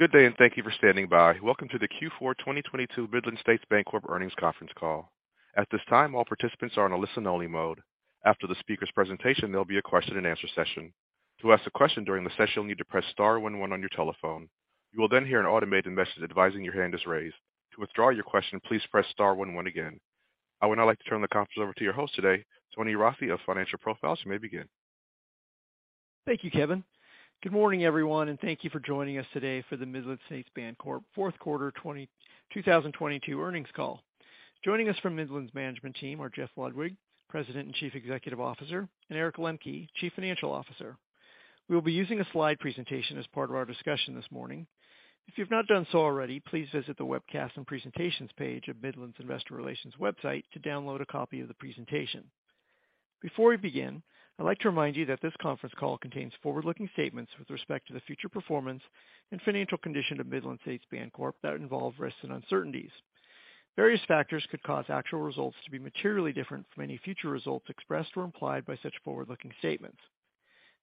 Good day, and thank you for standing by. Welcome to the Q4 2022 Midland States Bancorp Earnings Conference Call. At this time, all participants are on a listen-only mode. After the speaker's presentation, there'll be a question-and-answer session. To ask a question during the session, you'll need to press * 1 1 on your telephone. You will then hear an automated message advising your hand is raised. To withdraw your question, please press * 1 1 again. I would now like to turn the conference over to your host today, Tony Rossi of Financial Profiles. You may begin. Thank you, Kevin. Good morning, everyone, and thank you for joining us today for the Midland States Bancorp Q4 2022 earnings call. Joining us from Midland's management team are Jeff Ludwig, President and Chief Executive Officer, and Eric Lemke, Chief Financial Officer. We will be using a slide presentation as part of our discussion this morning. If you've not done so already, please visit the Webcast and Presentations page of Midland's Investor Relations website to download a copy of the presentation. Before we begin, I'd like to remind you that this conference call contains forward-looking statements with respect to the future performance and financial condition of Midland States Bancorp that involve risks and uncertainties. Various factors could cause actual results to be materially different from any future results expressed or implied by such forward-looking statements.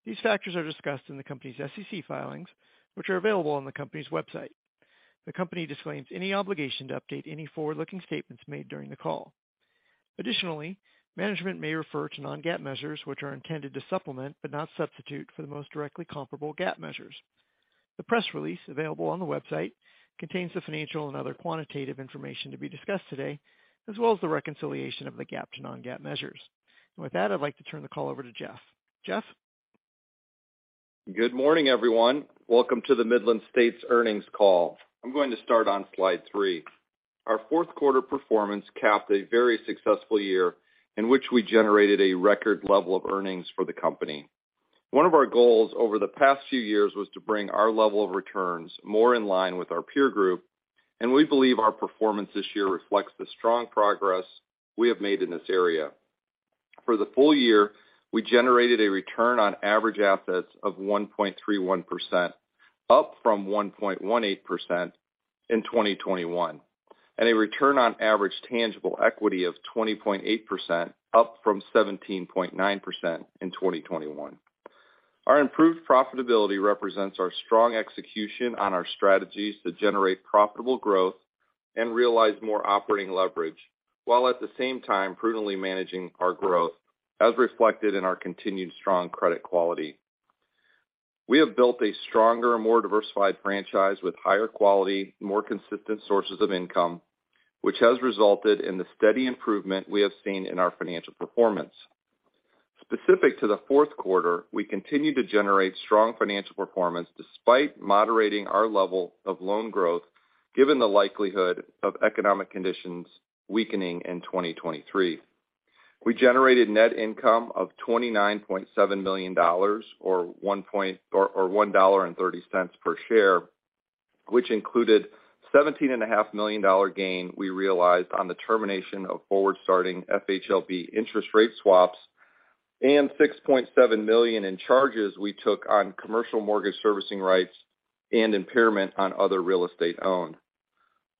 These factors are discussed in the company's SEC filings, which are available on the company's website. The company disclaims any obligation to update any forward-looking statements made during the call. Additionally, management may refer to non-GAAP measures, which are intended to supplement but not substitute for the most directly comparable GAAP measures. The press release available on the website contains the financial and other quantitative information to be discussed today, as well as the reconciliation of the GAAP to non-GAAP measures. With that, I'd like to turn the call over to Jeff. Jeff? Good morning, everyone. Welcome to the Midland States earnings call. I'm going to start on slide 3. Our Q4 performance capped a very successful year in which we generated a record level of earnings for the company. 1 of our goals over the past few years was to bring our level of returns more in line with our peer group, and we believe our performance this year reflects the strong progress we have made in this area. For the full year, we generated a return on average assets of 1.31%, up from 1.18% in 2021, and a return on average tangible equity of 20.8%, up from 17.9% in 2021. Our improved profitability represents our strong execution on our strategies to generate profitable growth and realize more operating leverage, while at the same time prudently managing our growth, as reflected in our continued strong credit quality. We have built a stronger, more diversified franchise with higher quality, more consistent sources of income, which has resulted in the steady improvement we have seen in our financial performance. Specific to the Q4, we continue to generate strong financial performance despite moderating our level of loan growth given the likelihood of economic conditions weakening in 2023. We generated net income of $29.7 million or $1.30 per share, which included $17.5 million Gain we realized on the termination of forward-starting FHLB interest rate swaps and $6.7 million in charges we took on commercial mortgage servicing rights and impairment on other real estate owned.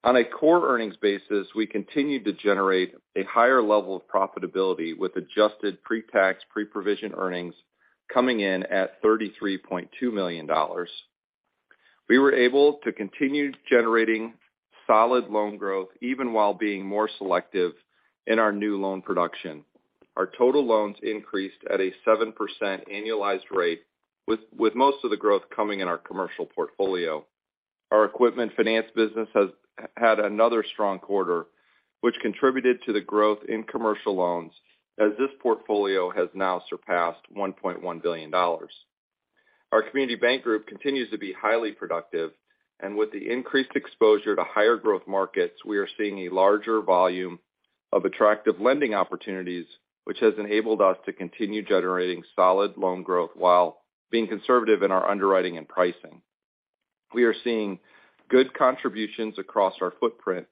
On a core earnings basis, we continued to generate a higher level of profitability with adjusted pre-tax, pre-provision earnings coming in at $33.2 million. We were able to continue generating solid loan growth even while being more selective in our new loan production. Our total loans increased at a 7% annualized rate most of the growth coming in our commercial portfolio. Our equipment finance business had another strong quarter, which contributed to the growth in commercial loans as this portfolio has now surpassed $1.1 billion. Our community bank group continues to be highly productive. With the increased exposure to higher growth markets, we are seeing a larger volume of attractive lending opportunities, which has enabled us to continue generating solid loan growth while being conservative in our underwriting and pricing. We are seeing good contributions across our footprint.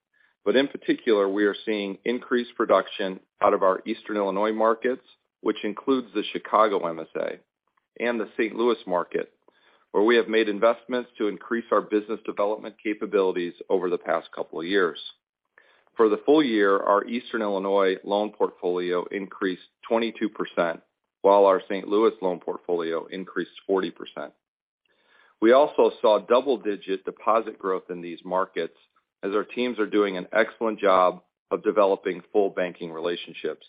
In particular, we are seeing increased production out of our Eastern Illinois markets, which includes the Chicago MSA and the St. Louis market, where we have made investments to increase our business development capabilities over the past couple of years. For the full year, our Eastern Illinois loan portfolio increased 22%, while our St. Louis loan portfolio increased 40%. We also saw double-digit deposit growth in these markets as our teams are doing an excellent job of developing full banking relationships.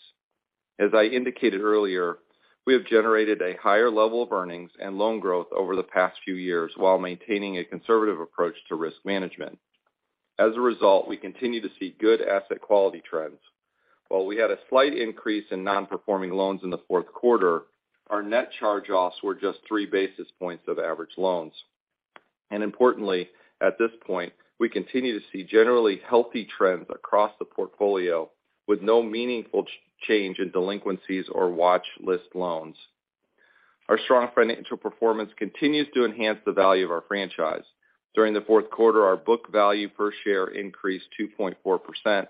As I indicated earlier, we have generated a higher level of earnings and loan growth over the past few years while maintaining a conservative approach to risk management. As a result, we continue to see good asset quality trends. While we had a slight increase in non-performing loans in the Q4, our net charge-offs were just 3 basis points of average loans. Importantly, at this point, we continue to see generally healthy trends across the portfolio with no meaningful change in delinquencies or watch list loans. Our strong financial performance continues to enhance the value of our franchise. During the Q4, our book value per share increased 2.4%,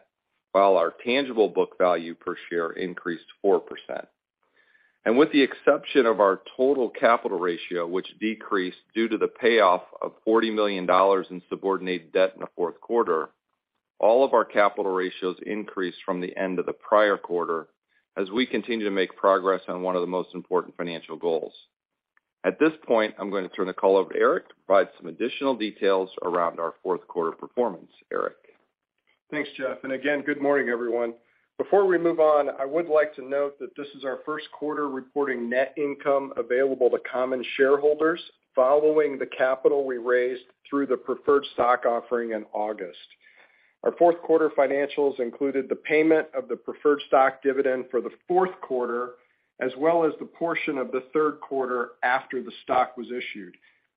while our tangible book value per share increased 4%. With the exception of our total capital ratio, which decreased due to the payoff of $40 million in subordinated debt in the Q4. All of our capital ratios increased from the end of the prior quarter as we continue to make progress on 1 of the most important financial goals. At this point, I'm going to turn the call over to Eric to provide some additional details around our Q4 performance. Eric? Thanks, Jeff. Again, good morning, everyone. Before we move on, I would like to note that this is our Q1 reporting net income available to common shareholders following the capital we raised through the preferred stock offering in August. Our Q4 financials included the payment of the preferred stock dividend for the Q4, as well as the portion of the Q3 after the stock was issued.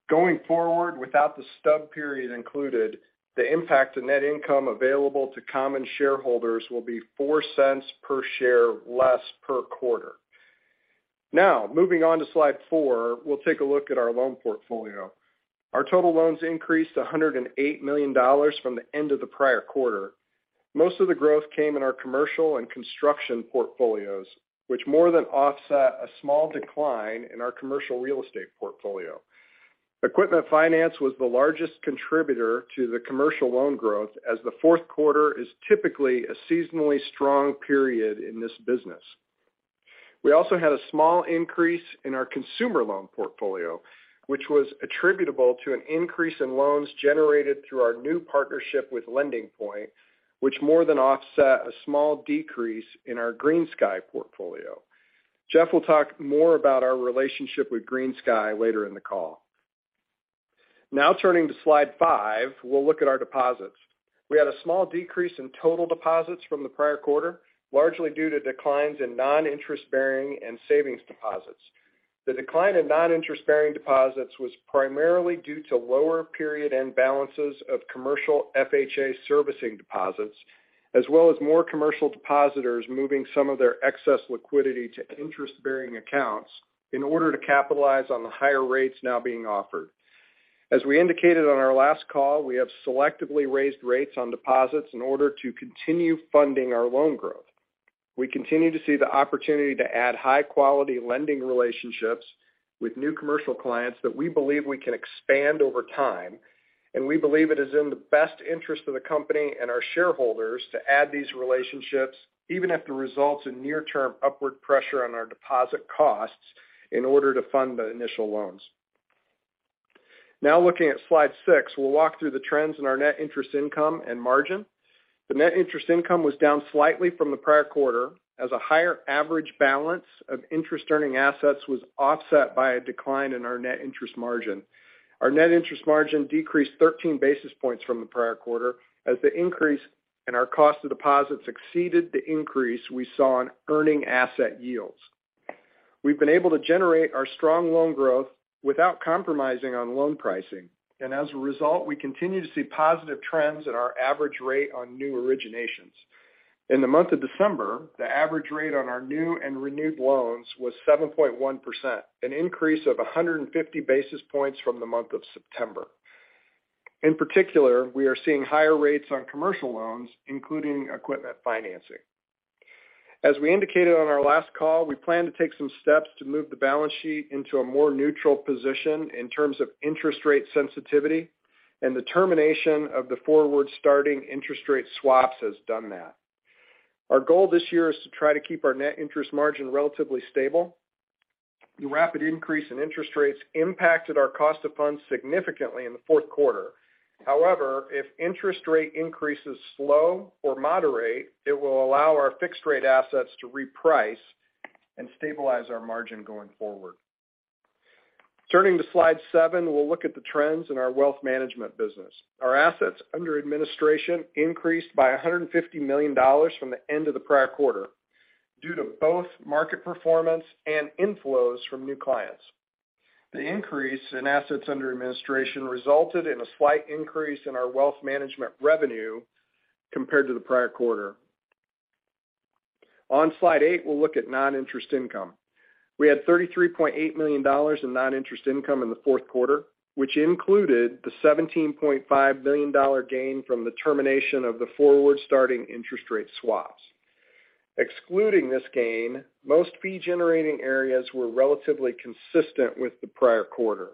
Going forward, without the stub period included, the impact to net income available to common shareholders will be $0.04 per share less per quarter. Moving on to slide 4, we'll take a look at our loan portfolio. Our total loans increased $108 million from the end of the prior quarter. Most of the growth came in our commercial and construction portfolios, which more than offset a small decline in our commercial real estate portfolio. Equipment finance was the largest contributor to the commercial loan growth as the Q4 is typically a seasonally strong period in this business. We also had a small increase in our consumer loan portfolio, which was attributable to an increase in loans generated through our new partnership with LendingPoint, which more than offset a small decrease in our GreenSky portfolio. Jeff will talk more about our relationship with GreenSky later in the call. Turning to slide 5, we'll look at our deposits. We had a small decrease in total deposits from the prior quarter, largely due to declines in non-interest-bearing and savings deposits. The decline in non-interest-bearing deposits was primarily due to lower period end balances of commercial FHA servicing deposits, as well as more commercial depositors moving some of their excess liquidity to interest-bearing accounts in order to capitalize on the higher rates now being offered. As we indicated on our last call, we have selectively raised rates on deposits in order to continue funding our loan growth. We continue to see the opportunity to add high-quality lending relationships with new commercial clients that we believe we can expand over time, and we believe it is in the best interest of the company and our shareholders to add these relationships, even if the result's in near-term upward pressure on our deposit costs in order to fund the initial loans. Now looking at slide 6, we'll walk through the trends in our net interest income and net interest margin. The net interest income was down slightly from the prior quarter as a higher average balance of interest-earning assets was offset by a decline in our net interest margin. Our net interest margin decreased 13 basis points from the prior quarter as the increase in our cost of deposits exceeded the increase we saw in earning asset yields. As a result, we continue to see positive trends in our average rate on new originations. In the month of December, the average rate on our new and renewed loans was 7.1%, an increase of 150 basis points from the month of September. In particular, we are seeing higher rates on commercial loans, including equipment financing. We indicated on our last call, we plan to take some steps to move the balance sheet into a more neutral position in terms of interest rate sensitivity, the termination of the forward-starting interest rate swaps has done that. Our goal this year is to try to keep our net interest margin relatively stable. The rapid increase in interest rates impacted our cost of funds significantly in the Q4. If interest rate increases slow or moderate, it will allow our fixed rate assets to reprice and stabilize our margin going forward. Turning to slide 7, we'll look at the trends in our wealth management business. Our assets under administration increased by $150 million from the end of the prior quarter due to both market performance and inflows from new clients. The increase in assets under administration resulted in a slight increase in our wealth management revenue compared to the prior quarter. On slide 8, we'll look at non-interest income. We had $33.8 million in non-interest income in the Q4, which included the $17.5 million gain from the termination of the forward-starting interest rate swaps. Excluding this gain, most fee-generating areas were relatively consistent with the prior quarter.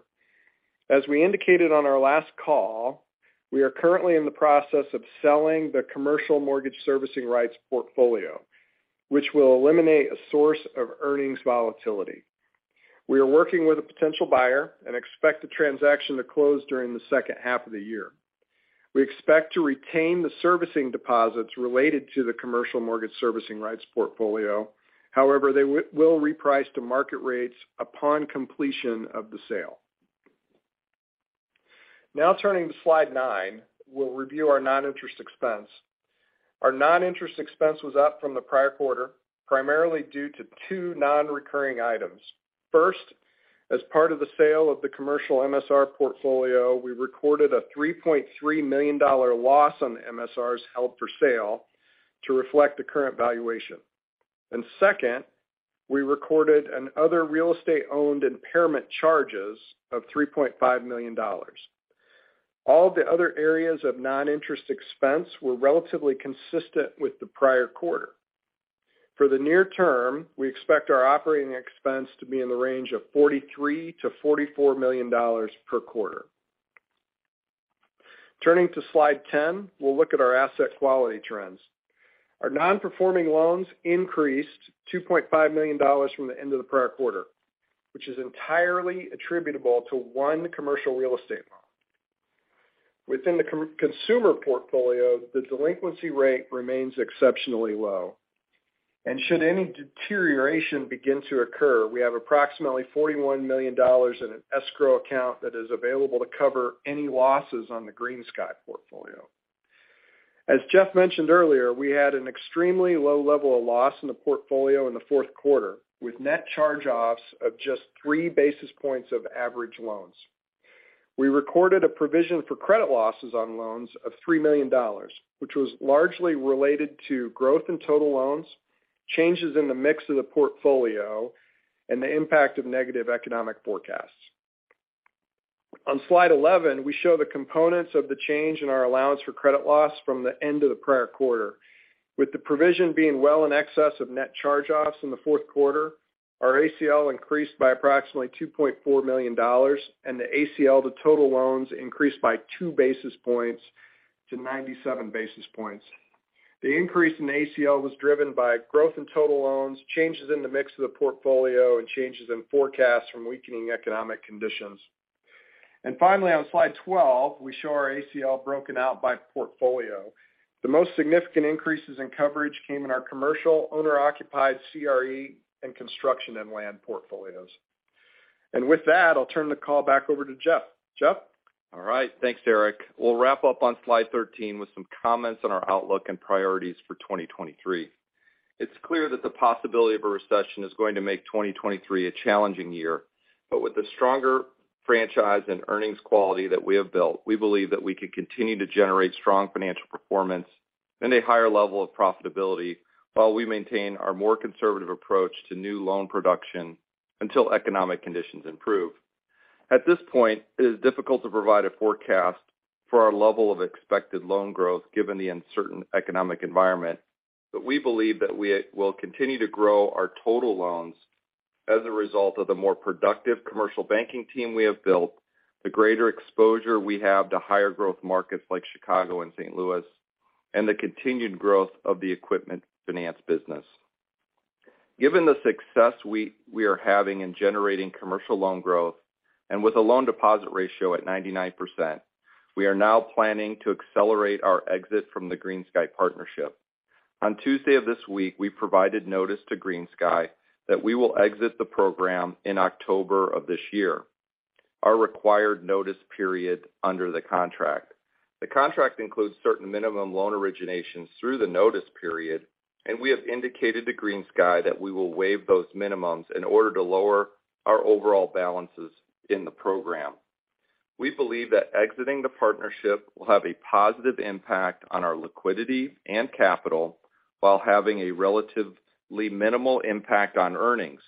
As we indicated on our last call, we are currently in the process of selling the commercial mortgage servicing rights portfolio, which will eliminate a source of earnings volatility. We are working with a potential buyer and expect the transaction to close during the H2 of the year. We expect to retain the servicing deposits related to the commercial mortgage servicing rights portfolio. However, they will reprice to market rates upon completion of the sale. Turning to Slide 9, we'll review our non-interest expense. Our non-interest expense was up from the prior quarter, primarily due to 2 non-recurring items. First, as part of the sale of the commercial MSR portfolio, we recorded a $3.3 million loss on MSRs held for sale to reflect the current valuation. 2nd, we recorded an other real estate owned impairment charges of $3.5 million. All the other areas of non-interest expense were relatively consistent with the prior quarter. For the near term, we expect our operating expense to be in the range of $43 million to $44 million per quarter. Turning to Slide 10, we'll look at our asset quality trends. Our non-performing loans increased $2.5 million from the end of the prior quarter, which is entirely attributable to 1 commercial real estate loan. Within the consumer portfolio, the delinquency rate remains exceptionally low. Should any deterioration begin to occur, we have approximately $41 million in an escrow account that is available to cover any losses on the GreenSky portfolio. As Jeff mentioned earlier, we had an extremely low level of loss in the portfolio in the Q4, with net charge-offs of just 3 basis points of average loans. We recorded a provision for credit losses on loans of $3 million, which was largely related to growth in total loans, changes in the mix of the portfolio, and the impact of negative economic forecasts. On Slide 11, we show the components of the change in our allowance for credit losses from the end of the prior quarter. With the provision being well in excess of net charge-offs in the Q4, our ACL increased by approximately $2.4 million. The ACL to total loans increased by 2 basis points to 97 basis points. The increase in ACL was driven by growth in total loans, changes in the mix of the portfolio, and changes in forecasts from weakening economic conditions. Finally, on Slide 12, we show our ACL broken out by portfolio. The most significant increases in coverage came in our commercial, owner-occupied CRE, and construction and land portfolios. With that, I'll turn the call back over to Jeff. Jeff? All right. Thanks, Eric. We'll wrap up on Slide 13 with some comments on our outlook and priorities for 2023. It's clear that the possibility of a recession is going to make 2023 a challenging year. With the stronger franchise and earnings quality that we have built, we believe that we can continue to generate strong financial performance and a higher level of profitability while we maintain our more conservative approach to new loan production until economic conditions improve. At this point, it is difficult to provide a forecast for our level of expected loan growth given the uncertain economic environment. We believe that we will continue to grow our total loans as a result of the more productive commercial banking team we have built, the greater exposure we have to higher growth markets like Chicago and St. Louis, and the continued growth of the equipment finance business. Given the success we are having in generating commercial loan growth, and with a loan-to-deposit ratio at 99%, we are now planning to accelerate our exit from the GreenSky partnership. On Tuesday of this week, we provided notice to GreenSky that we will exit the program in October of this year, our required notice period under the contract. The contract includes certain minimum loan originations through the notice period, and we have indicated to GreenSky that we will waive those minimums in order to lower our overall balances in the program. We believe that exiting the partnership will have a positive impact on our liquidity and capital while having a relatively minimal impact on earnings.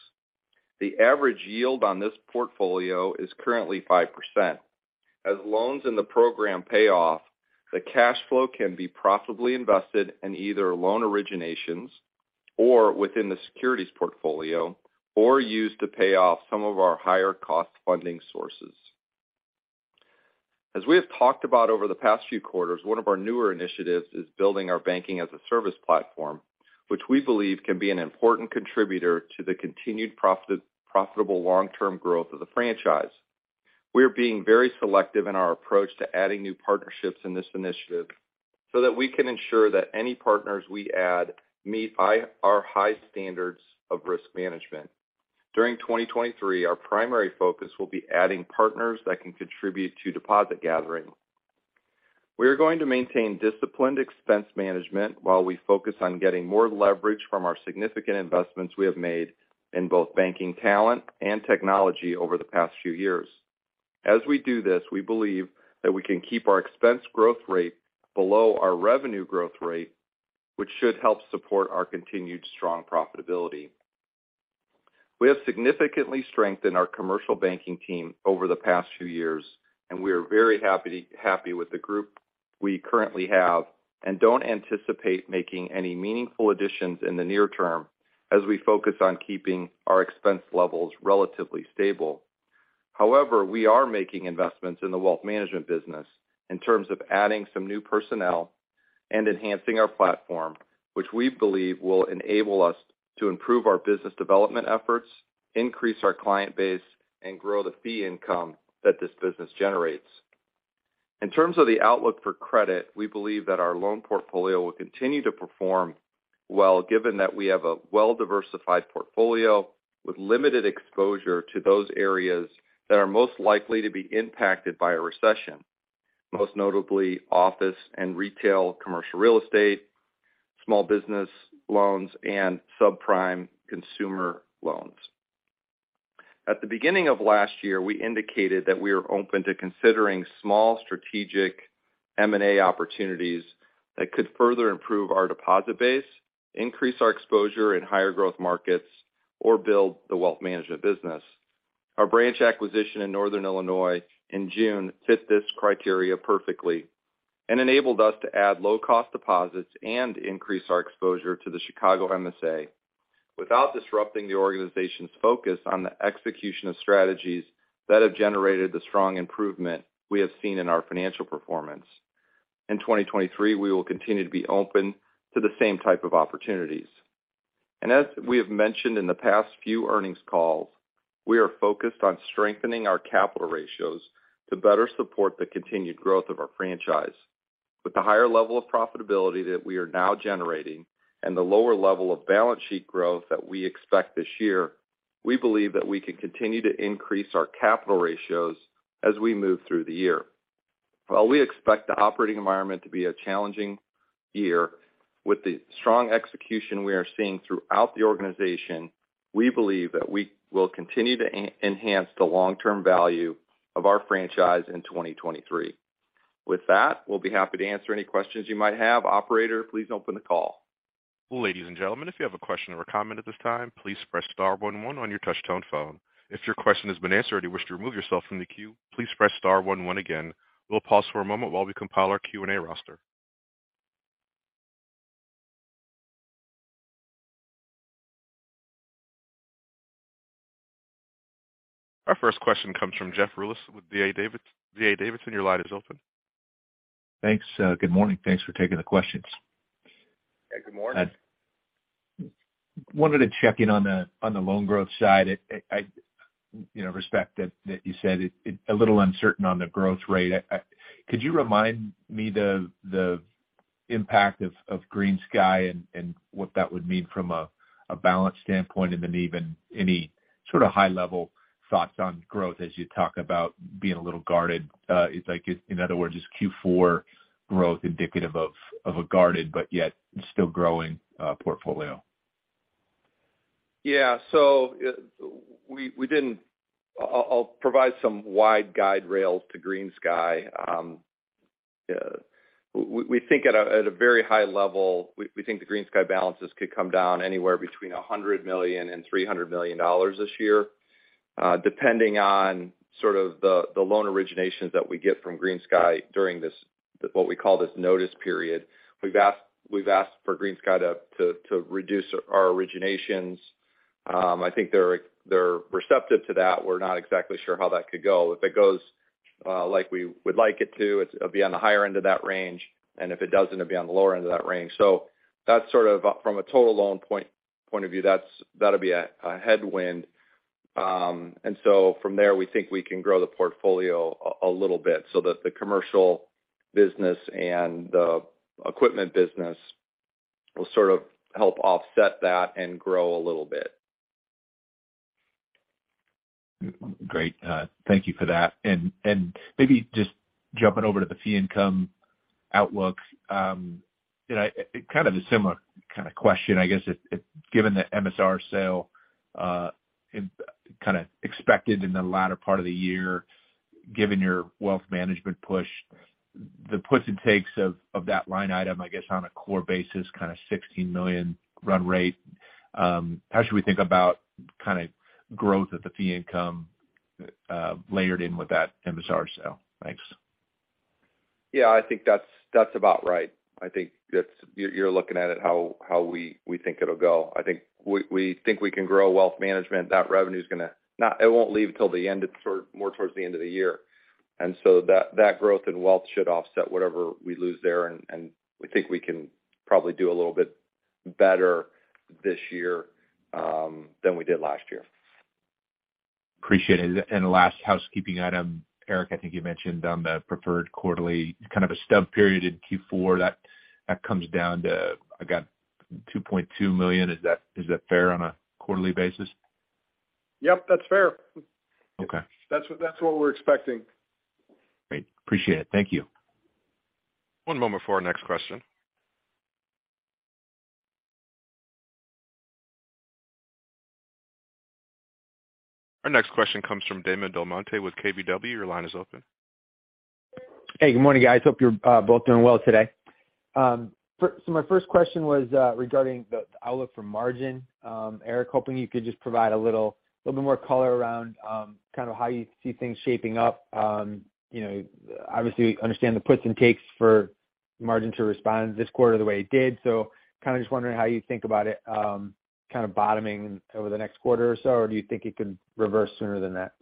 The average yield on this portfolio is currently 5%. As loans in the program pay off, the cash flow can be profitably invested in either loan originations or within the securities portfolio or used to pay off some of our higher cost funding sources. As we have talked about over the past few quarters, 1 of our newer initiatives is building our Banking-as-a-Service platform, which we believe can be an important contributor to the continued profitable long-term growth of the franchise. We are being very selective in our approach to adding new partnerships in this initiative so that we can ensure that any partners we add meet our high standards of risk management. During 2023, our primary focus will be adding partners that can contribute to deposit gathering. We are going to maintain disciplined expense management while we focus on getting more leverage from our significant investments we have made in both banking talent and technology over the past few years. As we do this, we believe that we can keep our expense growth rate below our revenue growth rate, which should help support our continued strong profitability. We have significantly strengthened our commercial banking team over the past few years. We are very happy with the group we currently have and don't anticipate making any meaningful additions in the near term as we focus on keeping our expense levels relatively stable. We are making investments in the wealth management business in terms of adding some new personnel and enhancing our platform, which we believe will enable us to improve our business development efforts, increase our client base, and grow the fee income that this business generates. In terms of the outlook for credit, we believe that our loan portfolio will continue to perform well, given that we have a well-diversified portfolio with limited exposure to those areas that are most likely to be impacted by a recession, most notably office and retail, commercial real estate, small business loans, and subprime consumer loans. At the beginning of last year, we indicated that we are open to considering small strategic M&A opportunities that could further improve our deposit base, increase our exposure in higher growth markets, or build the wealth management business. Our branch acquisition in Northern Illinois in June fit this criteria perfectly. Enabled us to add low-cost deposits and increase our exposure to the Chicago MSA without disrupting the organization's focus on the execution of strategies that have generated the strong improvement we have seen in our financial performance. In 2023, we will continue to be open to the same type of opportunities. As we have mentioned in the past few earnings calls, we are focused on strengthening our capital ratios to better support the continued growth of our franchise. With the higher level of profitability that we are now generating and the lower level of balance sheet growth that we expect this year, we believe that we can continue to increase our capital ratios as we move through the year. While we expect the operating environment to be a challenging year, with the strong execution we are seeing throughout the organization, we believe that we will continue to enhance the long-term value of our franchise in 2023. We'll be happy to answer any questions you might have. Operator, please open the call. Ladies and gentlemen, if you have a question or a comment at this time, please press * 1 1 on your touch-tone phone. If your question has been answered or you wish to remove yourself from the queue, please press * 1 1 again. We'll pause for a moment while we compile our Q&A roster. Our 1st question comes from Jeff Rulis with D.A. Davidson. Your line is open. Thanks. Good morning. Thanks for taking the questions. Yeah, good morning. I wanted to check in on the loan growth side. I, you know, respect that you said it a little uncertain on the growth rate. Could you remind me the impact of GreenSky and what that would mean from a balance standpoint, and then even any sort of high-level thoughts on growth as you talk about being a little guarded? It's like, in other words, is Q4 growth indicative of a guarded but yet still growing portfolio? I'll provide some wide guide rails to GreenSky. We think at a very high level, we think the GreenSky balances could come down anywhere between $100 million to $300 million this year, depending on sort of the loan originations that we get from GreenSky during this, what we call this notice period. We've asked for GreenSky to reduce our originations. I think they're receptive to that. We're not exactly sure how that could go. If it goes like we would like it to, it'll be on the higher end of that range, and if it doesn't, it'll be on the lower end of that range. That's sort of, from a total loan point of view, that's, that'll be a headwind. From there, we think we can grow the portfolio a little bit so that the commercial business and the equipment business will sort of help offset that and grow a little bit. Great. Thank you for that. Maybe just jumping over to the fee income outlook, you know, kind of a similar kind of question, I guess, if given the MSR sale, kind of expected in the latter part of the year, given your wealth management push, the puts and takes of that line item, I guess, on a core basis, kind of $16 million run rate, how should we think about kind of growth of the fee income, layered in with that MSR sale? Thanks. Yeah. I think that's about right. You're looking at it how we think it'll go. I think we think we can grow wealth management. It won't leave till the end. It's sort of more towards the end of the year. That growth in wealth should offset whatever we lose there, and we think we can probably do a little bit better this year than we did last year. Appreciate it. The last housekeeping item, Eric, I think you mentioned on the preferred quarterly kind of a stub period in Q4, that comes down to, I got $2.2 million. Is that fair on a quarterly basis? Yep, that's fair. Okay. That's what we're expecting. Great. Appreciate it. Thank you. One moment for our next question. Our next question comes from Damon DelMonte with KBW. Your line is open. Hey. Good morning, guys. Hope you're both doing well today. so my 1st question was regarding the outlook for margin. Eric, hoping you could just provide a little bit more color around kind of how you see things shaping up. you know, obviously understand the puts and takes for margin to respond this quarter the way it did, kind of just wondering how you think about it, kind of bottoming over the next quarter or so, or do you think it could reverse sooner than that?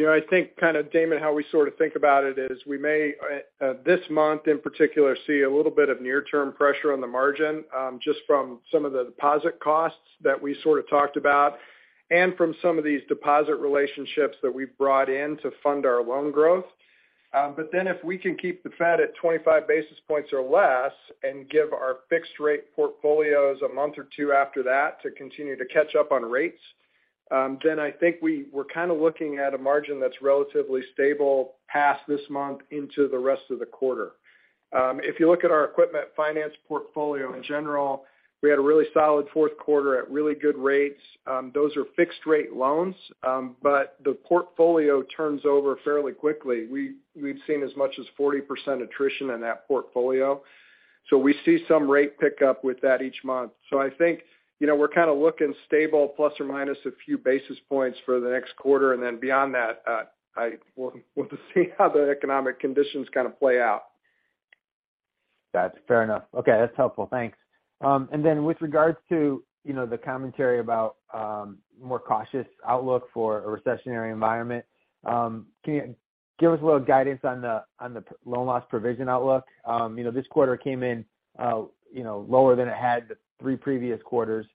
You know, I think kind of, Damon DelMonte, how we sort of think about it is we may this month in particular see a little bit of near-term pressure on the margin, just from some of the deposit costs that we sort of talked about and from some of these deposit relationships that we've brought in to fund our loan growth. If we can keep the Fed at 25 basis points or less and give our fixed rate portfolios a month or 2 after that to continue to catch up on rates, then I think we're kind of looking at a margin that's relatively stable past this month into the rest of the quarter. If you look at our equipment finance portfolio in general, we had a really solid Q4 at really good rates. Those are fixed rate loans, but the portfolio turns over fairly quickly. We've seen as much as 40% attrition in that portfolio. We see some rate pickup with that each month. I think, you know, we're kind of looking stable + or - a few basis points for the next quarter. Then beyond that, we'll just see how the economic conditions kind of play out. That's fair enough. Okay. That's helpful. Thanks. With regards to, you know, the commentary about more cautious outlook for a recessionary environment, can you give us a little guidance on the, on the loan loss provision outlook? You know, this quarter came in, you know, lower than it had the 3 previous quarters.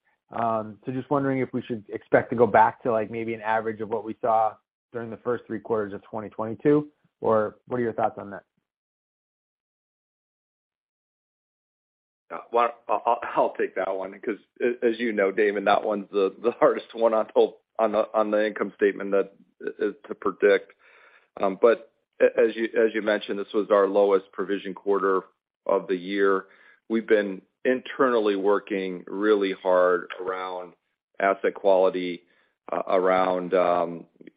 Just wondering if we should expect to go back to, like, maybe an average of what we saw during the first 3 quarters of 2022, or what are your thoughts on that? Yeah. Well, I'll take that 1 because as you know, Damon, that 1's the hardest one on the income statement that to predict. As you mentioned, this was our lowest provision quarter of the year. We've been internally working really hard around asset quality, around,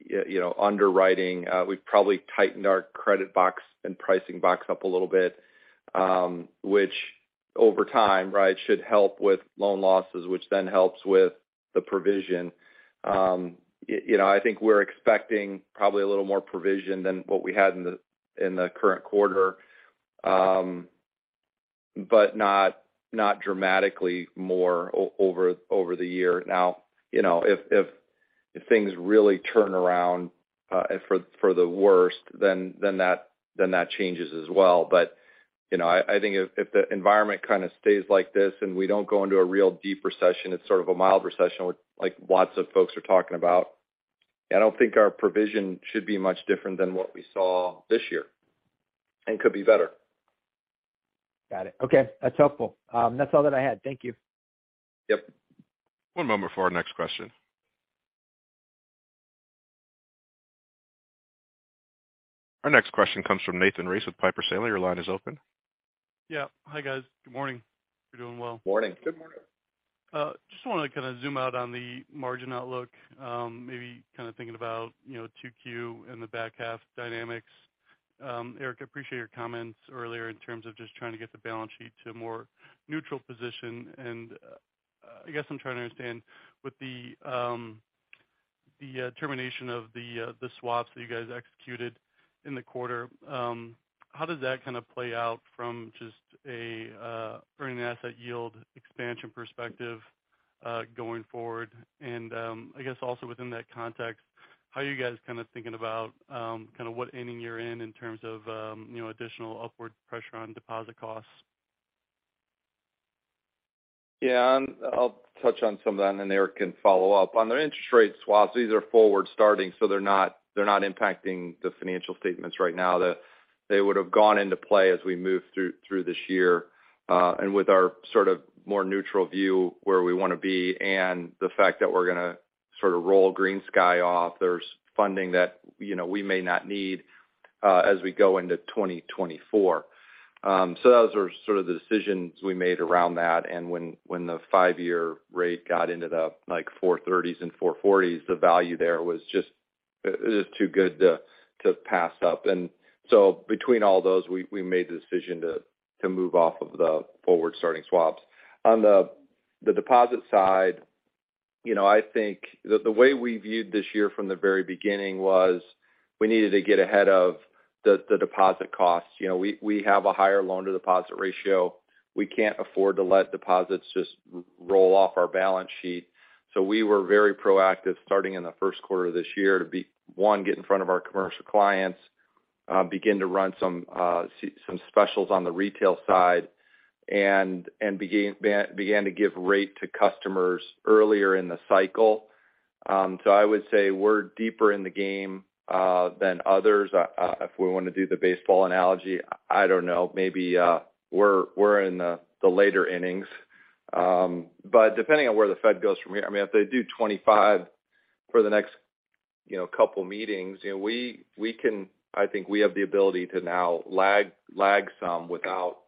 you know, underwriting. We've probably tightened our credit box and pricing box up a little bit, which over time, right, should help with loan losses, which then helps with the provision. You know, I think we're expecting probably a little more provision than what we had in the current quarter, but not dramatically more over the year. You know, if things really turn around for the worst then that changes as well. You know, I think if the environment kind of stays like this and we don't go into a real deep recession, it's sort of a mild recession like lots of folks are talking about, I don't think our provision should be much different than what we saw this year, and could be better. Got it. Okay, that's helpful. That's all that I had. Thank you. Yep. One moment for our next question. Our next question comes from Nathan Race with Piper Sandler. Your line is open. Yeah. Hi, guys. Good morning. Hope you're doing well. Morning. Good morning. Zoom out on the margin outlook, maybe thinking about, you know, 2Q and the back half dynamics. Eric, appreciate your comments earlier in terms of just trying to get the balance sheet to a more neutral position. I guess I'm trying to understand with the termination of the swaps that you guys executed in the quarter, how does that kind of play out from just an earning asset yield expansion perspective going forward? I guess also within that context, how are you guys kind of thinking about what inning you're in in terms of, you know, additional upward pressure on deposit costs Yeah. I'll touch on some of that and then Eric can follow up. On the interest rate swaps, these are forward-starting, so they're not, they're not impacting the financial statements right now. They would have gone into play as we move through this year. With our sort of more neutral view where we want to be and the fact that we're going to sort of roll GreenSky off, there's funding that, you know, we may not need as we go into 2024. Those are sort of the decisions we made around that. When the 5-year rate got into the, like, 430s and 440s, the value there was too good to pass up. Between all those, we made the decision to move off of the forward-starting swaps. On the deposit side, you know, I think the way we viewed this year from the very beginning was we needed to get ahead of the deposit costs. You know, we have a higher loan-to-deposit ratio. We can't afford to let deposits just roll off our balance sheet. We were very proactive starting in the Q1 of this year to be 1, get in front of our commercial clients, begin to run some specials on the retail side and began to give rate to customers earlier in the cycle. I would say we're deeper in the game than others. If we want to do the baseball analogy, I don't know, maybe, we're in the later innings. Depending on where the Fed goes from here, I mean, if they do 25 for the next, you know, couple meetings, you know, I think we have the ability to now lag some without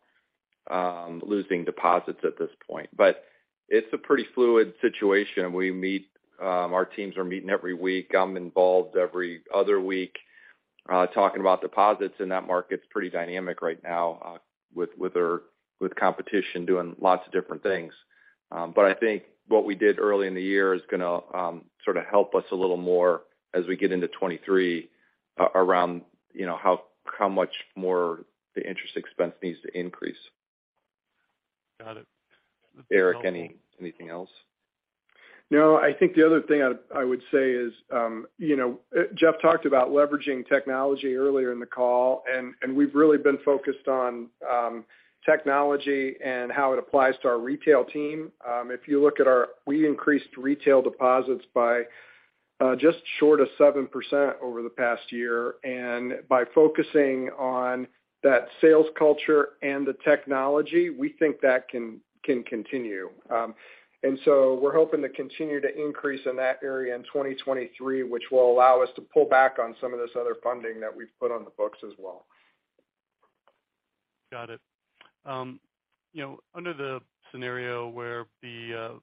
losing deposits at this point. It's a pretty fluid situation. We meet, our teams are meeting every week. I'm involved every other week, talking about deposits, and that market's pretty dynamic right now, with competition doing lots of different things. I think what we did early in the year is gonna sort of help us a little more as we get into 2023 around, you know, how much more the interest expense needs to increase. Got it. Eric, anything else? No. I think the other thing I would say is, you know, Jeff talked about leveraging technology earlier in the call. We've really been focused on technology and how it applies to our retail team. If you look at, we increased retail deposits by just short of 7% over the past year. By focusing on that sales culture and the technology, we think that can continue. We're hoping to continue to increase in that area in 2023, which will allow us to pull back on some of this other funding that we've put on the books as well. Got it. you know, under the scenario where the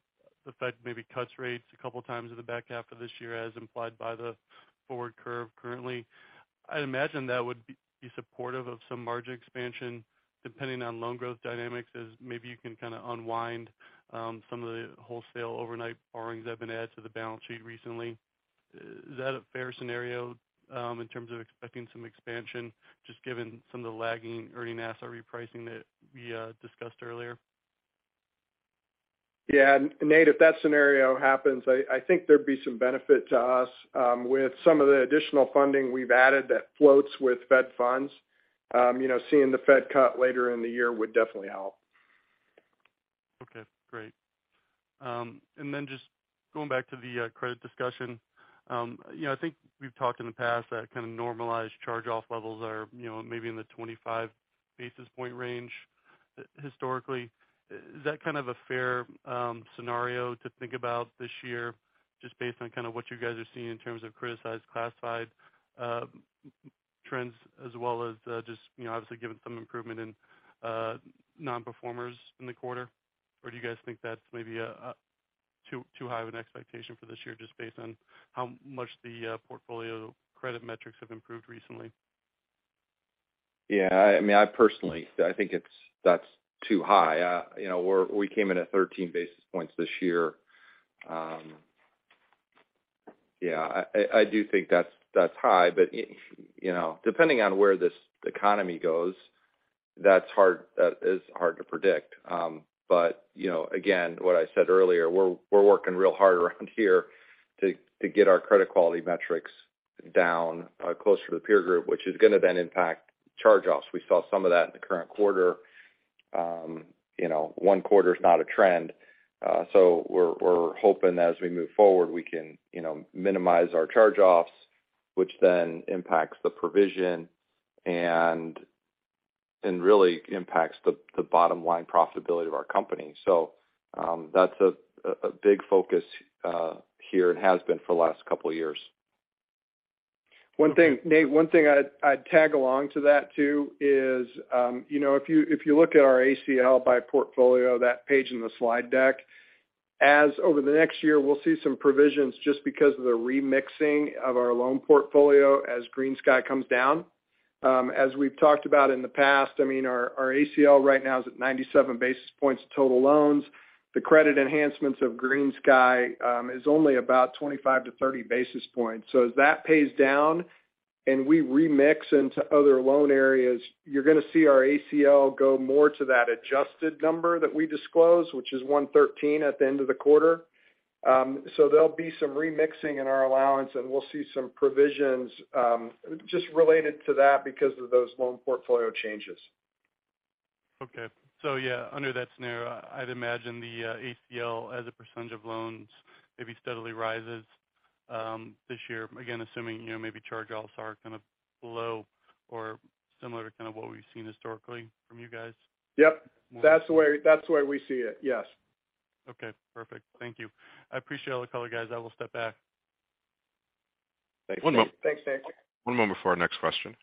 Fed maybe cuts rates 2 times in the back half of this year, as implied by the forward curve currently, I'd imagine that would be supportive of some margin expansion depending on loan growth dynamics as maybe you can kind of unwind, some of the wholesale overnight borrowings that have been added to the balance sheet recently. Is that a fair scenario, in terms of expecting some expansion, just given some of the lagging earning asset repricing that we, discussed earlier? Yeah. Nate, if that scenario happens, I think there'd be some benefit to us with some of the additional funding we've added that floats with Fed funds. You know, seeing the Fed cut later in the year would definitely help. Okay, great. Just going back to the credit discussion. You know, I think we've talked in the past that kind of normalized charge-off levels are, you know, maybe in the 25 basis point range historically. Is that kind of a fair scenario to think about this year just based on kind of what you guys are seeing in terms of criticized classified trends as well as, just, you know, obviously given some improvement in non-performers in the quarter? Do you guys think that's maybe too high of an expectation for this year just based on how much the portfolio credit metrics have improved recently? I mean, I personally, I think that's too high. you know, we came in at 13 basis points this year. Yeah, I do think that's high. you know, depending on where this economy goes, that is hard to predict. you know, again, what I said earlier, we're working real hard around here to get our credit quality metrics down closer to the peer group, which is going to then impact charge-offs. We saw some of that in the current quarter. you know, 1 quarter is not a trend. we're hoping as we move forward, we can, you know, minimize our charge-offs, which then impacts the provision and really impacts the bottom line profitability of our company. That's a big focus here and has been for the last couple of years. Nate, 1 thing I'd tag along to that too is, you know, if you, if you look at our ACL by portfolio, that page in the slide deck, as over the next year, we'll see some provisions just because of the remixing of our loan portfolio as GreenSky comes down. As we've talked about in the past, I mean, our ACL right now is at 97 basis points total loans. The credit enhancements of GreenSky is only about 25 to 30 basis points. As that pays down and we remix into other loan areas, you're going to see our ACL go more to that adjusted number that we disclose, which is 113 at the end of the quarter. There'll be some remixing in our allowance, and we'll see some provisions, just related to that because of those loan portfolio changes. Yeah, under that scenario, I'd imagine the ACL as a % of loans maybe steadily rises, this year, again, assuming, you know, maybe charge-offs are kind of below or similar to kind of what we've seen historically from you guys. Yep. That's the way we see it. Yes. Okay, perfect. Thank you. I appreciate all the color, guys. I will step back. Thanks. Thanks, Nate. One moment before our next question.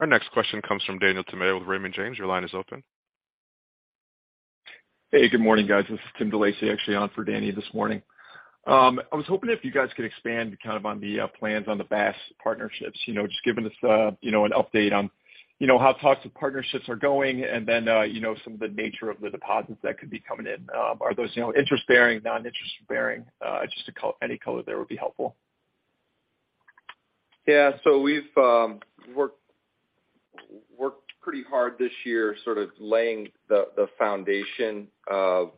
Our next question comes from Daniel Tamayo with Raymond James. Your line is open. Hey, good morning, guys. This is Tim actually on for Danny this morning. I was hoping if you guys could expand kind of on the plans on the BaaS partnerships, you know, just giving us, you know, an update on, you know, how talks with partnerships are going and then, you know, some of the nature of the deposits that could be coming in. Are those, you know, interest-bearing, non-interest-bearing? Just any color there would be helpful. Yeah. We've worked pretty hard this year, sort of laying the foundation of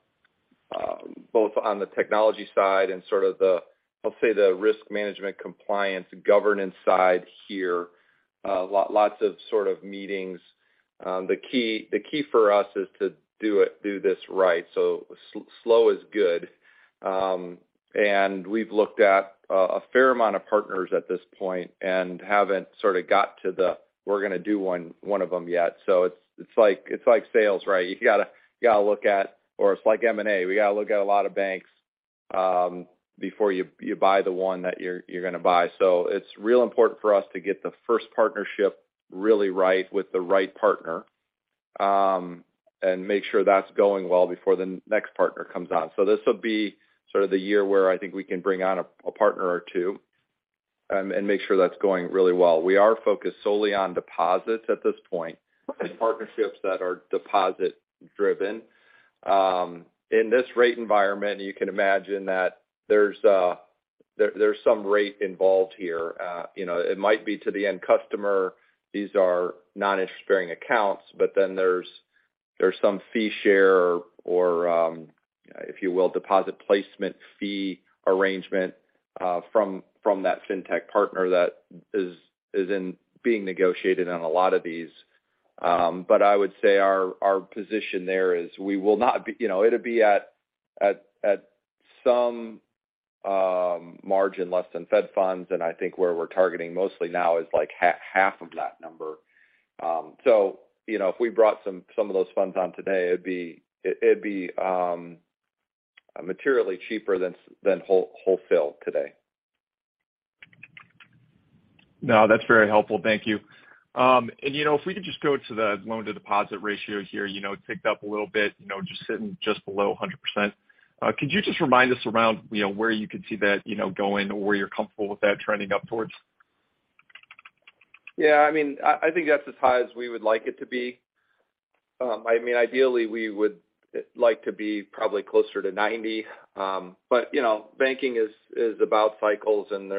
both on the technology side and sort of the, I'll say, the risk management compliance governance side here. Lots of sort of meetings. The key for us is to do this right. Slow is good. And we've looked at a fair amount of partners at this point and haven't sort of got to the, "We're going to do 1 of them yet." It's like sales, right? You got to look at or it's like M&A. We got to look at a lot of banks before you buy the one that you're going to buy. It's real important for us to get the first partnership really right with the right partner, and make sure that's going well before the next partner comes on. This will be sort of the year where I think we can bring on a partner or 2, and make sure that's going really well. We are focused solely on deposits at this point and partnerships that are deposit-driven. In this rate environment, you can imagine that there's some rate involved here. You know, it might be to the end customer, these are non-interest-bearing accounts, but then there's some fee share or, if you will, deposit placement fee arrangement, from that fintech partner that is being negotiated on a lot of these. I would say our position there is we will not be you know, it'll be at some margin less than Fed funds. I think where we're targeting mostly now is like half of that number. You know, if we brought some of those funds on today, it'd be materially cheaper than wholesale today. No, that's very helpful. Thank you. You know, if we could just go to the loan-to-deposit ratio here, you know, it ticked up a little bit, you know, just sitting just below 100%. Could you just remind us around, you know, where you could see that, you know, going, where you're comfortable with that trending up towards? Yeah, I mean, I think that's as high as we would like it to be. I mean, ideally, we would like to be probably closer to 90. You know, banking is about cycles, and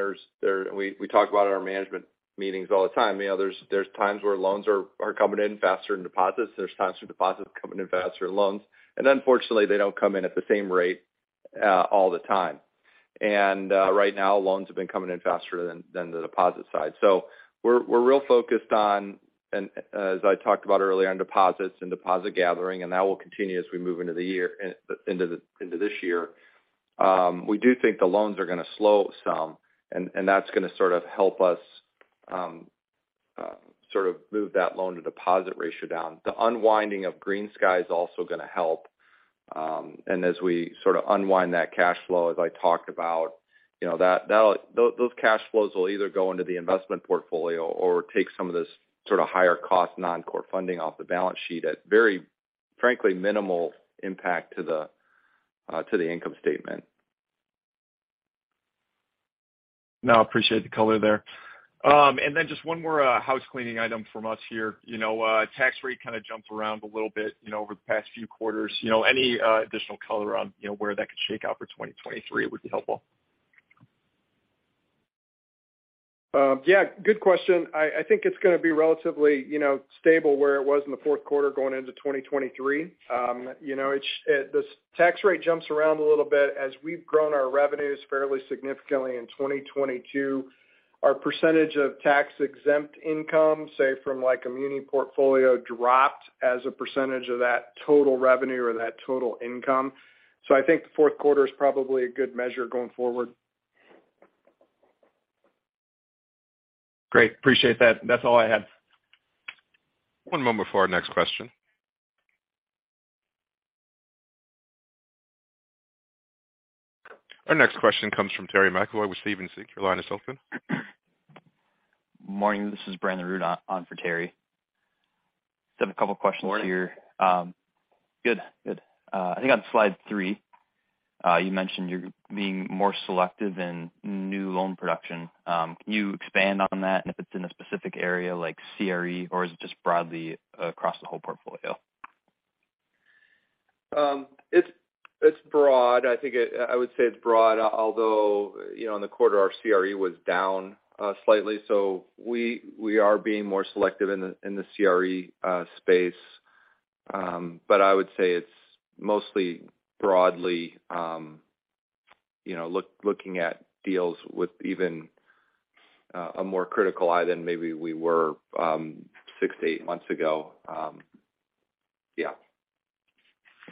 we talk about our management meetings all the time. You know, there's times where loans are coming in faster than deposits. There's times where deposits are coming in faster than loans. Unfortunately, they don't come in at the same rate all the time. Right now, loans have been coming in faster than the deposit side. We're real focused on, and as I talked about earlier, on deposits and deposit gathering, and that will continue as we move into this year. We do think the loans are gonna slow some and that's gonna sort of help us sort of move that loan-to-deposit ratio down. The unwinding of GreenSky is also gonna help. As we sort of unwind that cash flow, as I talked about, you know, those cash flows will either go into the investment portfolio or take some of this sort of higher cost non-core funding off the balance sheet at very, frankly, minimal impact to the income statement. No, I appreciate the color there. Just 1 more, housecleaning item from us here. You know, tax rate kind of jumped around a little bit, you know, over the past few quarters. You know, any additional color on, you know, where that could shake out for 2023 would be helpful. Yeah, good question. I think it's gonna be relatively, you know, stable where it was in the Q4 going into 2023. You know, this tax rate jumps around a little bit. As we've grown our revenues fairly significantly in 2022, our percentage of tax-exempt income, say from like a muni portfolio, dropped as a percentage of that total revenue or that total income. I think the Q4 is probably a good measure going forward. Great. Appreciate that. That's all I had. One moment before our next question. Our next question comes from Terry McEvoy with Stephens Inc. Your line is open. Morning, this is Brandon Rud on for Terry. Just have a couple questions here. Morning. Good. Good. I think on slide 3, you mentioned you're being more selective in new loan production. Can you expand on that and if it's in a specific area like CRE or is it just broadly across the whole portfolio? It's, it's broad. I would say it's broad, although, you know, in the quarter, our CRE was down, slightly, so we are being more selective in the CRE space. I would say it's mostly broadly, you know, looking at deals with even a more critical eye than maybe we were, 6 to 8 months ago. Yeah.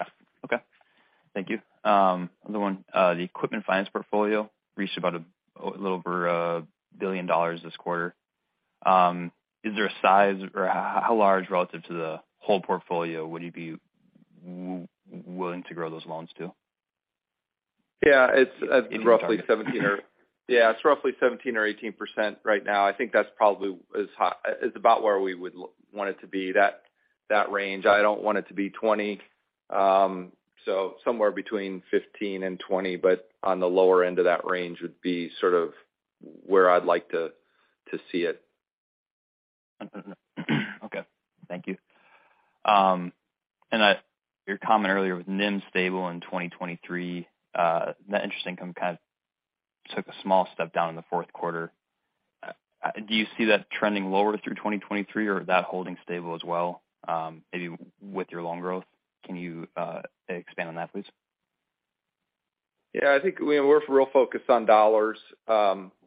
Yeah. Okay. Thank you. Another 1, the equipment finance portfolio reached about a little over $1 billion this quarter. Is there a size or how large relative to the whole portfolio would you be willing to grow those loans to? Yeah. It's roughly 17. Any target. Yeah. It's roughly 17% or 18% right now. I think that's probably as high is about where we would want it to be, that range. I don't want it to be 20%, so somewhere between 15% and 20%, but on the lower end of that range would be sort of where I'd like to see it. Understood. Okay. Thank you. Your comment earlier with NIM stable in 2023, net interest income kind of took a small step down in the Q4. Do you see that trending lower through 2023 or that holding stable as well, maybe with your loan growth? Can you expand on that, please? Yeah, I think we're real focused on dollars. You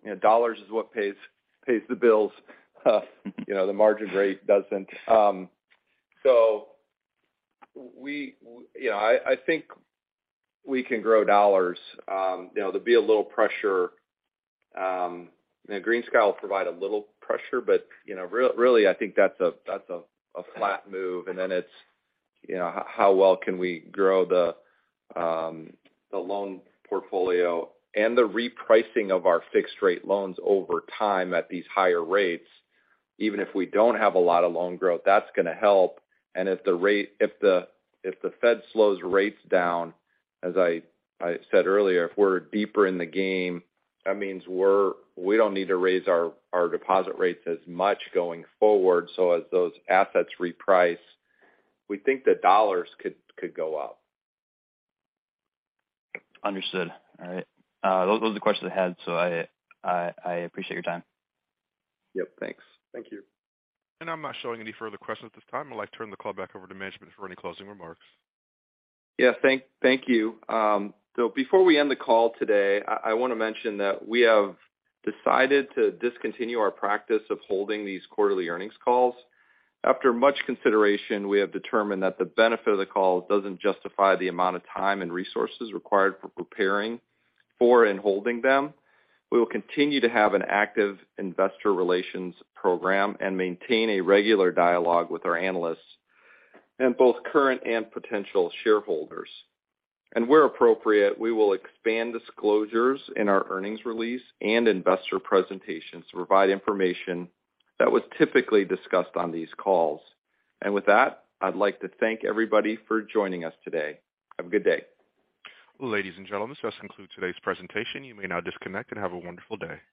know, dollars is what pays the bills. You know, the margin rate doesn't. We, you know, I think we can grow dollars. You know, there'll be a little pressure. You know, GreenSky will provide a little pressure, but, you know, really I think that's a, that's a flat move. It's, you know, how well can we grow the loan portfolio and the repricing of our fixed rate loans over time at these higher rates, even if we don't have a lot of loan growth, that's gonna help. If the Fed slows rates down, as I said earlier, if we're deeper in the game, that means we don't need to raise our deposit rates as much going forward. as those assets reprice, we think the dollars could go up. Understood. All right. Those were the questions I had, so I appreciate your time. Yep. Thanks. Thank you. I'm not showing any further questions at this time. I'd like to turn the call back over to management for any closing remarks. Yeah. Thank you. Before we end the call today, I wanna mention that we have decided to discontinue our practice of holding these quarterly earnings calls. After much consideration, we have determined that the benefit of the call doesn't justify the amount of time and resources required for preparing for and holding them. We will continue to have an active investor relations program and maintain a regular dialogue with our analysts and both current and potential shareholders. Where appropriate, we will expand disclosures in our earnings release and investor presentations to provide information that was typically discussed on these calls. With that, I'd like to thank everybody for joining us today. Have a good day. Ladies and gentlemen, this concludes today's presentation. You may now disconnect and have a wonderful day.